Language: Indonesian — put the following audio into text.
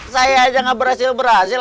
saya aja gak berhasil berhasil